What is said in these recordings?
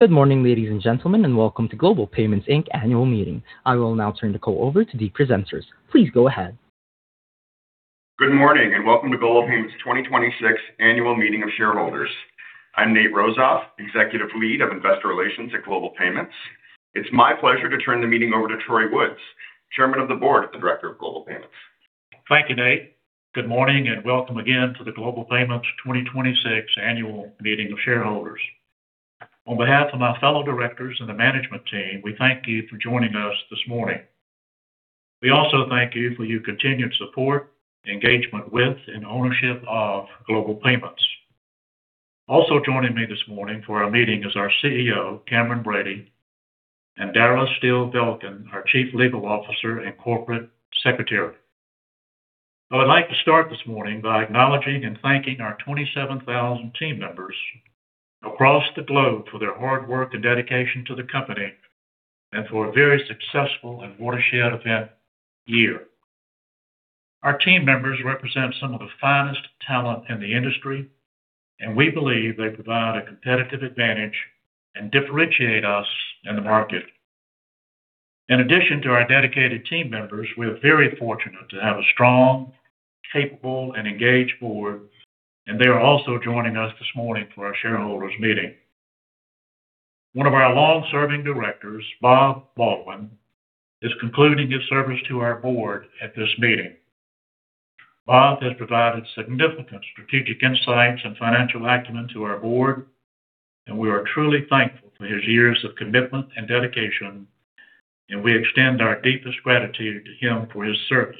Good morning, ladies and gentlemen, and welcome to Global Payments Inc. annual meeting. I will now turn the call over to the presenters. Please go ahead. Good morning, and welcome to Global Payments 2026 annual meeting of shareholders. I'm Nate Rozof, Executive Lead of Investor Relations at Global Payments. It's my pleasure to turn the meeting over to Troy Woods, Chairman of the Board and Director of Global Payments. Thank you, Nate. Good morning, and welcome again to the Global Payments 2026 Annual Meeting of Shareholders. On behalf of my fellow directors and the management team, we thank you for joining us this morning. We also thank you for your continued support, engagement with and ownership of Global Payments. Also joining me this morning for our meeting is our CEO, Cameron Bready, and Dara Steele-Belkin, our Chief Legal Officer and Corporate Secretary. I would like to start this morning by acknowledging and thanking our 27,000 team members across the globe for their hard work and dedication to the company and for a very successful and watershed year. Our team members represent some of the finest talent in the industry, and we believe they provide a competitive advantage and differentiate us in the market. In addition to our dedicated team members, we're very fortunate to have a strong, capable, and engaged board, and they are also joining us this morning for our shareholders meeting. One of our long-serving directors, Bob Baldwin, is concluding his service to our board at this meeting. Bob has provided significant strategic insights and financial acumen to our board. We are truly thankful for his years of commitment and dedication. We extend our deepest gratitude to him for his service.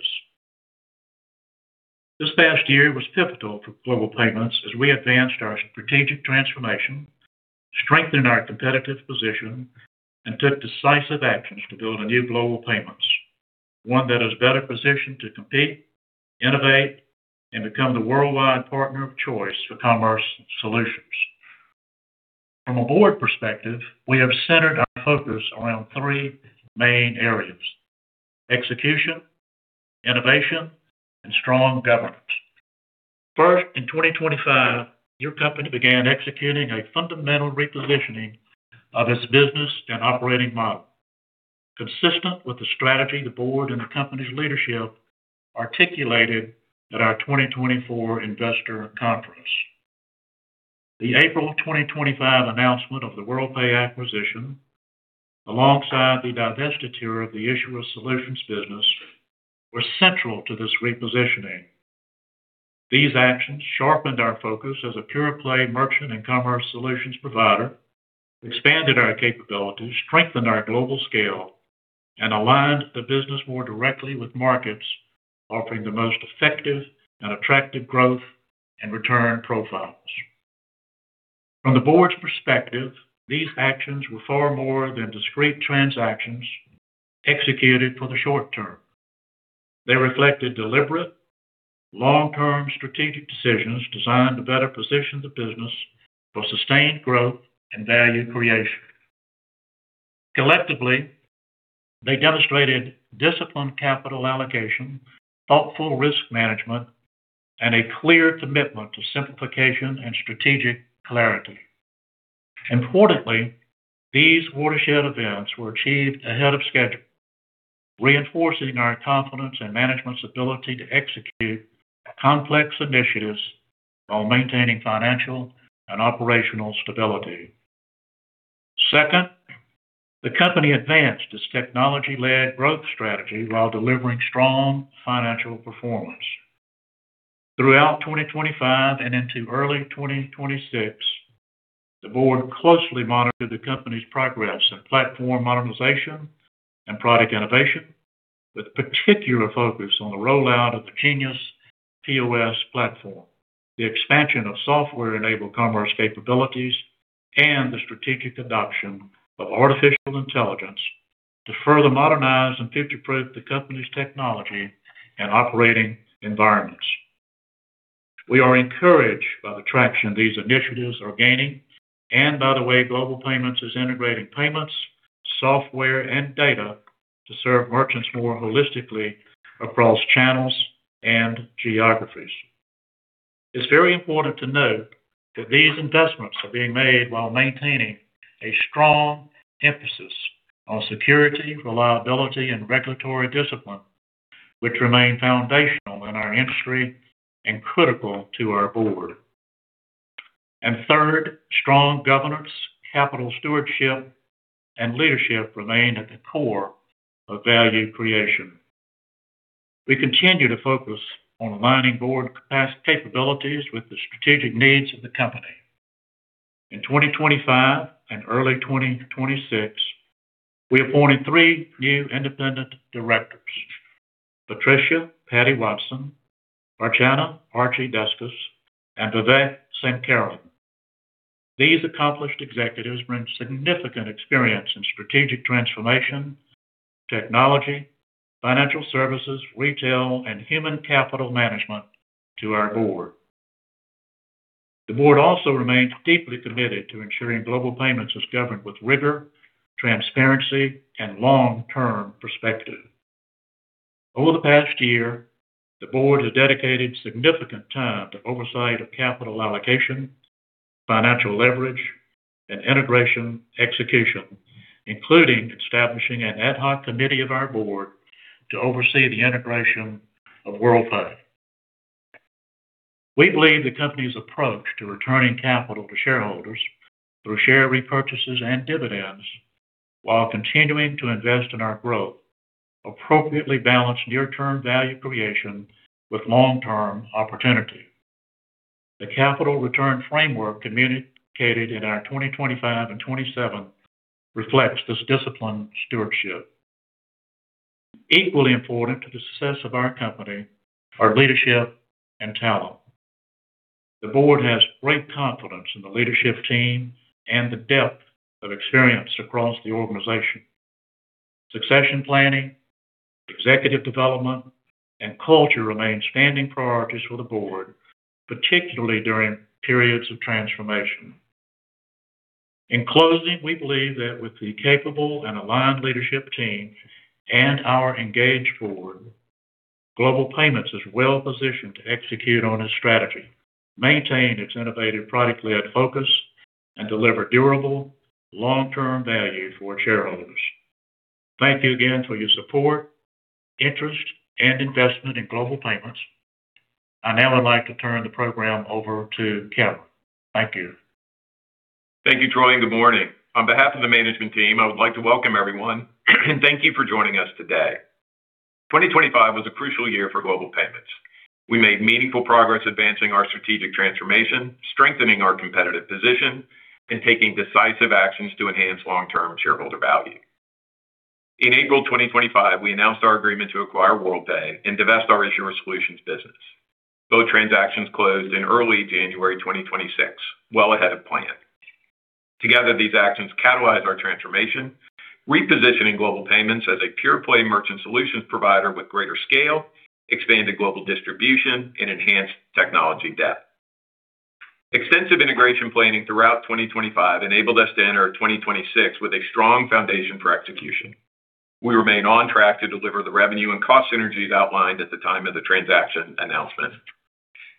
This past year was pivotal for Global Payments as we advanced our strategic transformation, strengthened our competitive position, and took decisive actions to build a new Global Payments, one that is better positioned to compete, innovate, and become the worldwide partner of choice for commerce solutions. From a board perspective, we have centered our focus around three main areas: execution, innovation, and strong governance. First, in 2025, your company began executing a fundamental repositioning of its business and operating model, consistent with the strategy the board and the company's leadership articulated at our 2024 investor conference. The April 2025 announcement of the Worldpay acquisition, alongside the divestiture of the issuer solutions business, were central to this repositioning. These actions sharpened our focus as a pure-play merchant and commerce solutions provider, expanded our capabilities, strengthened our global scale, and aligned the business more directly with markets offering the most effective and attractive growth and return profiles. From the board's perspective, these actions were far more than discrete transactions executed for the short term. They reflected deliberate, long-term strategic decisions designed to better position the business for sustained growth and value creation. Collectively, they demonstrated disciplined capital allocation, thoughtful risk management, and a clear commitment to simplification and strategic clarity. Importantly, these watershed events were achieved ahead of schedule, reinforcing our confidence in management's ability to execute complex initiatives while maintaining financial and operational stability. Second, the company advanced its technology-led growth strategy while delivering strong financial performance. Throughout 2025 and into early 2026, the board closely monitored the company's progress in platform modernization and product innovation, with particular focus on the rollout of the Genius POS platform, the expansion of software-enabled commerce capabilities, and the strategic adoption of artificial intelligence to further modernize and future-proof the company's technology and operating environments. We are encouraged by the traction these initiatives are gaining and by the way Global Payments is integrating payments, software, and data to serve merchants more holistically across channels and geographies. It's very important to note that these investments are being made while maintaining a strong emphasis on security, reliability, and regulatory discipline, which remain foundational in our industry and critical to our board. Third, strong governance, capital stewardship, and leadership remain at the core of value creation. We continue to focus on aligning board capabilities with the strategic needs of the company. In 2025 and early 2026, we appointed three new independent directors: Patricia Watson, Archana Deskus, and Vivek Sankaran. These accomplished executives bring significant experience in strategic transformation, technology, financial services, retail, and human capital management to our board. The board also remains deeply committed to ensuring Global Payments is governed with rigor, transparency, and long-term perspective. Over the past year, the board has dedicated significant time to oversight of capital allocation, financial leverage, and integration execution, including establishing an ad hoc committee of our board to oversee the integration of Worldpay. We believe the company's approach to returning capital to shareholders through share repurchases and dividends while continuing to invest in our growth appropriately balance near-term value creation with long-term opportunity. The capital return framework communicated in our 2025 and 2027 reflects this disciplined stewardship. Equally important to the success of our company are leadership and talent. The board has great confidence in the leadership team and the depth of experience across the organization. Succession planning, executive development, and culture remain standing priorities for the board, particularly during periods of transformation. In closing, we believe that with the capable and aligned leadership team and our engaged board, Global Payments is well-positioned to execute on its strategy, maintain its innovative product-led focus, and deliver durable long-term value for shareholders. Thank you again for your support, interest, and investment in Global Payments. I now would like to turn the program over to Cameron. Thank you. Thank you, Troy, and good morning. On behalf of the management team, I would like to welcome everyone and thank you for joining us today. 2025 was a crucial year for Global Payments. We made meaningful progress advancing our strategic transformation, strengthening our competitive position, and taking decisive actions to enhance long-term shareholder value. In April 2025, we announced our agreement to acquire Worldpay and divest our Issuer Solutions business. Both transactions closed in early January 2026, well ahead of plan. Together, these actions catalyze our transformation, repositioning Global Payments as a pure-play Merchant Solutions provider with greater scale, expanded global distribution, and enhanced technology depth. Extensive integration planning throughout 2025 enabled us to enter 2026 with a strong foundation for execution. We remain on track to deliver the revenue and cost synergies outlined at the time of the transaction announcement.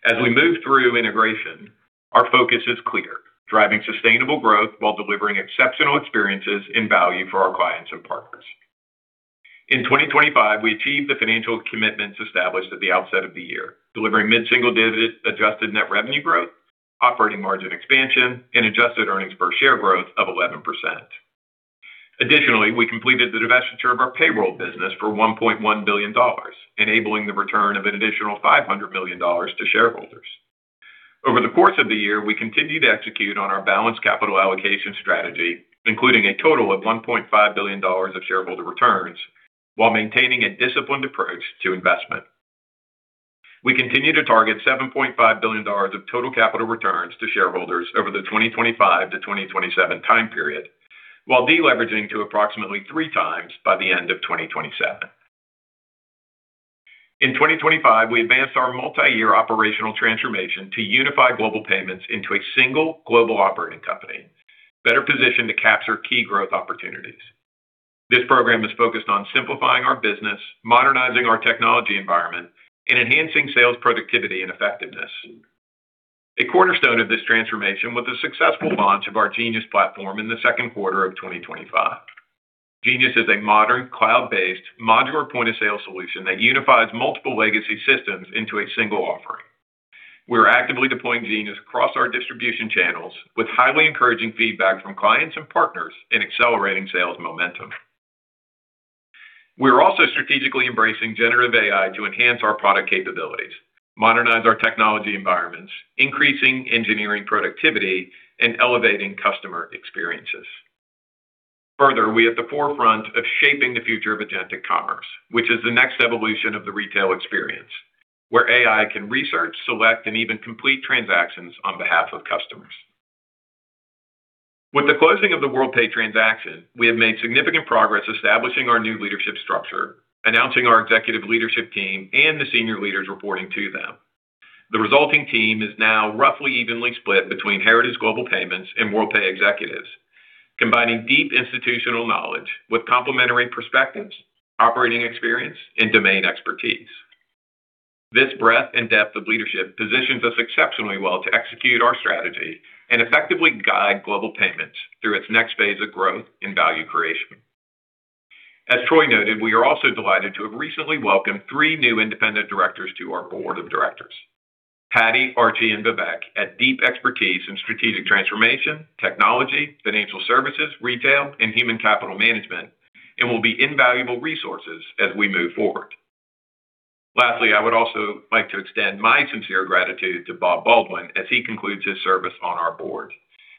As we move through integration, our focus is clear, driving sustainable growth while delivering exceptional experiences and value for our clients and partners. In 2025, we achieved the financial commitments established at the outset of the year, delivering mid-single digit adjusted net revenue growth, operating margin expansion, and adjusted earnings per share growth of 11%. Additionally, we completed the divestiture of our payroll business for $1.1 billion, enabling the return of an additional $500 million to shareholders. Over the course of the year, we continued to execute on our balanced capital allocation strategy, including a total of $1.5 billion of shareholder returns while maintaining a disciplined approach to investment. We continue to target $7.5 billion of total capital returns to shareholders over the 2025-2027 time period, while deleveraging to approximately 3x by the end of 2027. In 2025, we advanced our multi-year operational transformation to unify Global Payments into a single global operating company, better positioned to capture key growth opportunities. This program is focused on simplifying our business, modernizing our technology environment, and enhancing sales productivity and effectiveness. A cornerstone of this transformation was the successful launch of our Genius platform in the second quarter of 2025. Genius is a modern cloud-based modular point-of-sale solution that unifies multiple legacy systems into a single offering. We're actively deploying Genius across our distribution channels with highly encouraging feedback from clients and partners in accelerating sales momentum. We are also strategically embracing generative AI to enhance our product capabilities, modernize our technology environments, increasing engineering productivity, and elevating customer experiences. We are at the forefront of shaping the future of agentic commerce, which is the next evolution of the retail experience, where AI can research, select, and even complete transactions on behalf of customers. With the closing of the Worldpay transaction, we have made significant progress establishing our new leadership structure, announcing our executive leadership team and the senior leaders reporting to them. The resulting team is now roughly evenly split between heritage Global Payments and Worldpay executives, combining deep institutional knowledge with complementary perspectives, operating experience, and domain expertise. This breadth and depth of leadership positions us exceptionally well to execute our strategy and effectively guide Global Payments through its next phase of growth and value creation. As Troy noted, we are also delighted to have recently welcomed three new independent Directors to our Board of Directors. Patty, Archie, and Vivek add deep expertise in strategic transformation, technology, financial services, retail, and human capital management, and will be invaluable resources as we move forward. Lastly, I would also like to extend my sincere gratitude to Bob Baldwin as he concludes his service on our Board.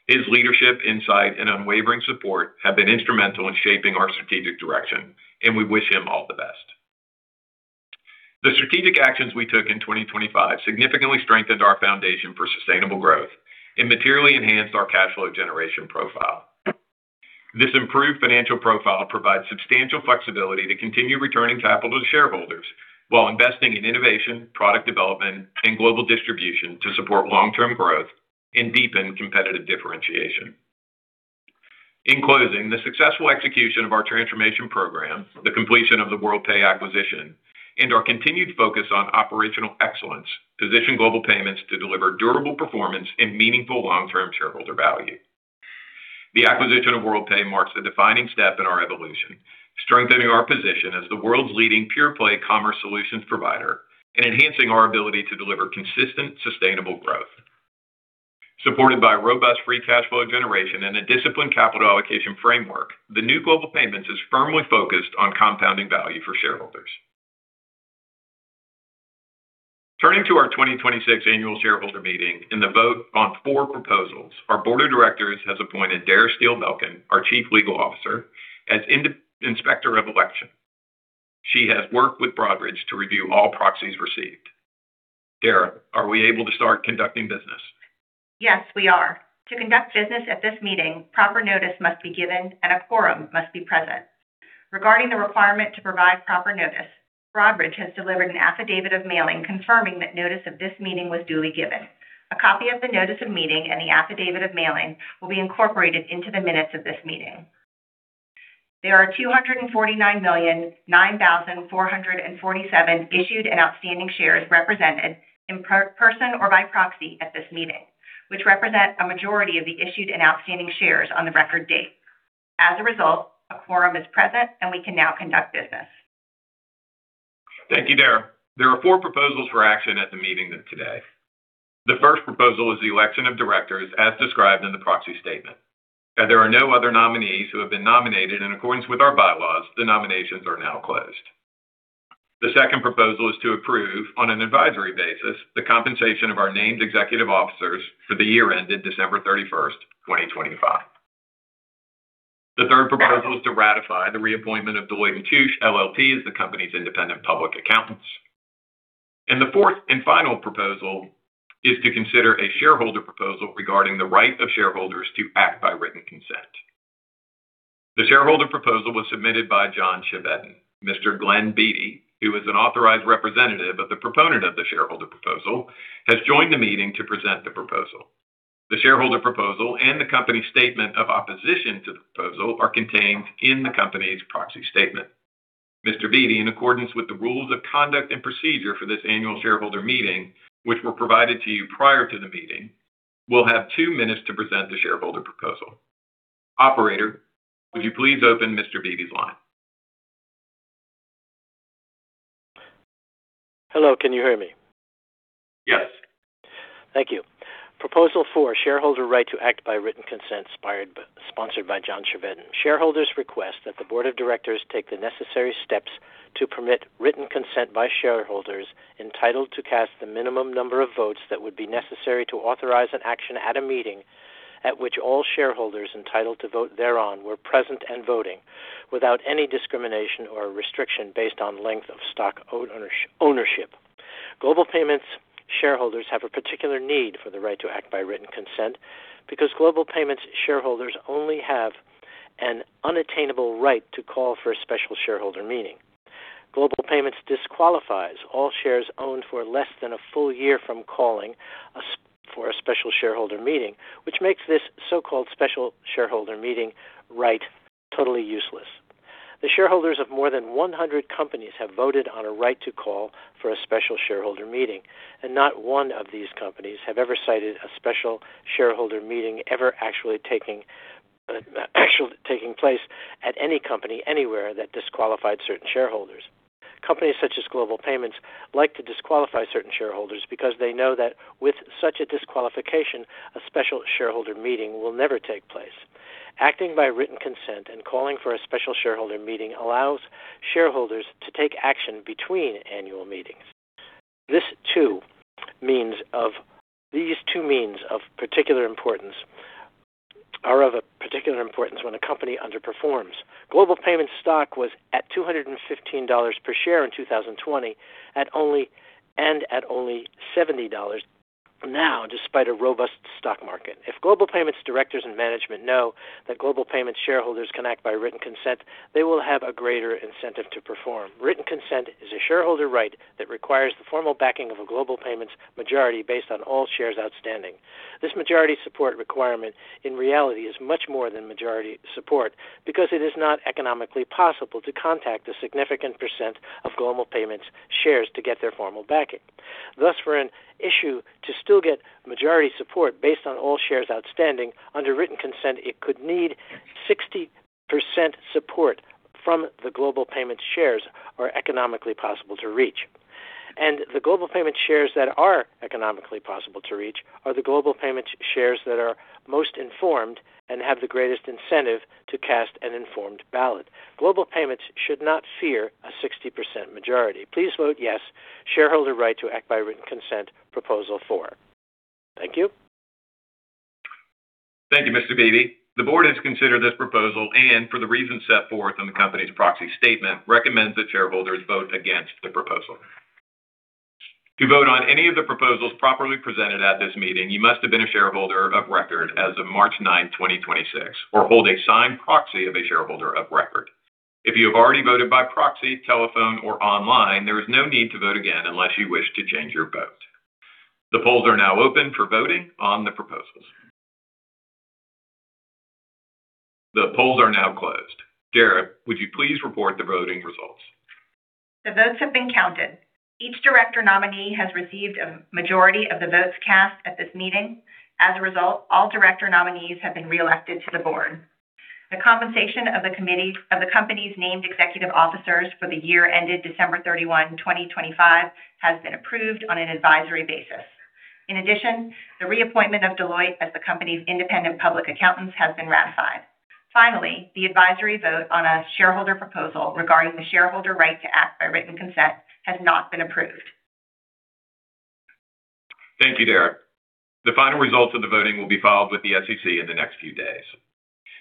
His leadership, insight, and unwavering support have been instrumental in shaping our strategic direction, and we wish him all the best. The strategic actions we took in 2025 significantly strengthened our foundation for sustainable growth and materially enhanced our cash flow generation profile. This improved financial profile provides substantial flexibility to continue returning capital to shareholders while investing in innovation, product development, and global distribution to support long-term growth and deepen competitive differentiation. In closing, the successful execution of our transformation program, the completion of the Worldpay acquisition, and our continued focus on operational excellence position Global Payments to deliver durable performance and meaningful long-term shareholder value. The acquisition of Worldpay marks a defining step in our evolution, strengthening our position as the world's leading pure-play commerce solutions provider and enhancing our ability to deliver consistent, sustainable growth. Supported by robust free cash flow generation and a disciplined capital allocation framework, the new Global Payments is firmly focused on compounding value for shareholders. Turning to our 2026 annual shareholder meeting and the vote on four proposals, our board of directors has appointed Dara Steele-Belkin, our Chief Legal Officer, as Inspector of Election. She has worked with Broadridge to review all proxies received. Dara, are we able to start conducting business? Yes, we are. To conduct business at this meeting, proper notice must be given, and a quorum must be present. Regarding the requirement to provide proper notice, Broadridge has delivered an affidavit of mailing confirming that notice of this meeting was duly given. A copy of the notice of meeting and the affidavit of mailing will be incorporated into the minutes of this meeting. There are 249,009,447 issued and outstanding shares represented in person or by proxy at this meeting, which represent a majority of the issued and outstanding shares on the record date. As a result, a quorum is present, and we can now conduct business. Thank you, Dara. There are four proposals for action at the meeting today. The first proposal is the election of directors as described in the proxy statement. As there are no other nominees who have been nominated in accordance with our bylaws, the nominations are now closed. The second proposal is to approve on an advisory basis the compensation of our named executive officers for the year ended December 31st, 2025. The third proposal is to ratify the reappointment of Deloitte & Touche LLP as the company's independent public accountants. The fourth and final proposal is to consider a shareholder proposal regarding the right of shareholders to act by written consent. The shareholder proposal was submitted by John Chevedden. Mr. Glenn Beatty, who is an authorized representative of the proponent of the shareholder proposal, has joined the meeting to present the proposal. The shareholder proposal and the company statement of opposition to the proposal are contained in the company's proxy statement. Mr. Beatty, in accordance with the rules of conduct and procedure for this annual shareholder meeting, which were provided to you prior to the meeting, will have two minutes to present the shareholder proposal. Operator, would you please open Mr. Beatty's line? Hello, can you hear me? Yes. Thank you. Proposal four, shareholder right to act by written consent sponsored by John Chevedden. Shareholders request that the board of directors take the necessary steps to permit written consent by shareholders entitled to cast the minimum number of votes that would be necessary to authorize an action at a meeting at which all shareholders entitled to vote thereon were present and voting without any discrimination or restriction based on length of stock ownership. Global Payments shareholders have a particular need for the right to act by written consent because Global Payments shareholders only have an unattainable right to call for a special shareholder meeting. Global Payments disqualifies all shares owned for less than a full year from calling for a special shareholder meeting, which makes this so-called special shareholder meeting right totally useless. The shareholders of more than 100 companies have voted on a right to call for a special shareholder meeting. Not one of these companies have ever cited a special shareholder meeting ever actually taking place at any company anywhere that disqualified certain shareholders. Companies such as Global Payments like to disqualify certain shareholders because they know that with such a disqualification, a special shareholder meeting will never take place. Acting by written consent and calling for a special shareholder meeting allows shareholders to take action between annual meetings. These two means of particular importance are of a particular importance when a company underperforms. Global Payments stock was at $215 per share in 2020 and at only $70 now despite a robust stock market. If Global Payments' directors and management know that Global Payments shareholders can act by written consent, they will have a greater incentive to perform. Written consent is a shareholder right that requires the formal backing of a Global Payments majority based on all shares outstanding. This majority support requirement in reality is much more than majority support because it is not economically possible to contact a significant percent of Global Payments shares to get their formal backing. Thus, for an issue to still get majority support based on all shares outstanding, under written consent, it could need 60% support from the Global Payments shares are economically possible to reach. The Global Payments shares that are economically possible to reach are the Global Payments shares that are most informed and have the greatest incentive to cast an informed ballot. Global Payments should not fear a 60% majority. Please vote yes, shareholder right to act by written consent, proposal four. Thank you. Thank you, Mr. Beatty. The board has considered this proposal and, for the reasons set forth in the company's proxy statement, recommends that shareholders vote against the proposal. To vote on any of the proposals properly presented at this meeting, you must have been a shareholder of record as of March 9th, 2026 or hold a signed proxy of a shareholder of record. If you have already voted by proxy, telephone or online, there is no need to vote again unless you wish to change your vote. The polls are now open for voting on the proposals. The polls are now closed. Dara, would you please report the voting results? The votes have been counted. Each director nominee has received a majority of the votes cast at this meeting. As a result, all director nominees have been reelected to the board. The compensation of the company's named executive officers for the year ended December 31, 2025, has been approved on an advisory basis. In addition, the reappointment of Deloitte as the company's independent public accountants has been ratified. Finally, the advisory vote on a shareholder proposal regarding the shareholder right to act by written consent has not been approved. Thank you, Dara. The final results of the voting will be filed with the SEC in the next few days.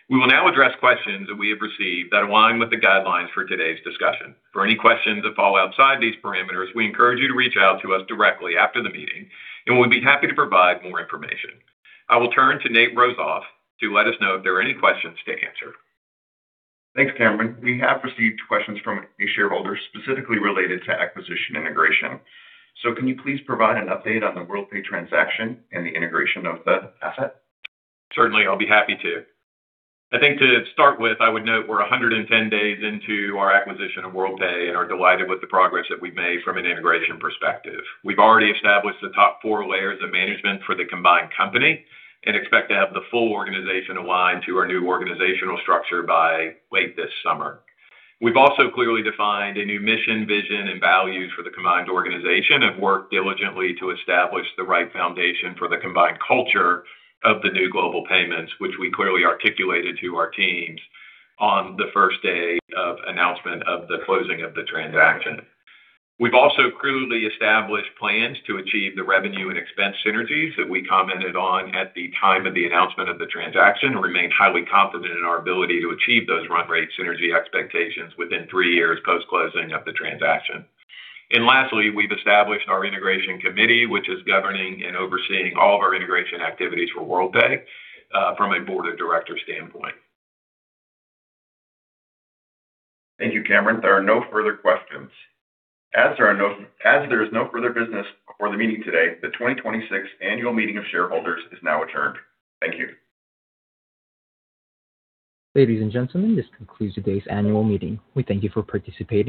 We will now address questions that we have received that align with the guidelines for today's discussion. For any questions that fall outside these parameters, we encourage you to reach out to us directly after the meeting, and we'll be happy to provide more information. I will turn to Nate Rozof to let us know if there are any questions to answer. Thanks, Cameron. We have received questions from a shareholder specifically related to acquisition integration. Can you please provide an update on the Worldpay transaction and the integration of the asset? Certainly, I'll be happy to. I think to start with, I would note we're 110 days into our acquisition of Worldpay and are delighted with the progress that we've made from an integration perspective. We've already established the top four layers of management for the combined company and expect to have the full organization aligned to our new organizational structure by late this summer. We've also clearly defined a new mission, vision, and values for the combined organization and worked diligently to establish the right foundation for the combined culture of the new Global Payments, which we clearly articulated to our teams on the first day of announcement of the closing of the transaction. We've also clearly established plans to achieve the revenue and expense synergies that we commented on at the time of the announcement of the transaction and remain highly confident in our ability to achieve those run rate synergy expectations within three years post-closing of the transaction. Lastly, we've established our integration committee, which is governing and overseeing all of our integration activities for Worldpay from a board of directors standpoint. Thank you, Cameron. There are no further questions. As there is no further business before the meeting today, the 2026 annual meeting of shareholders is now adjourned. Thank you. Ladies and gentlemen, this concludes today's annual meeting. We thank you for participating.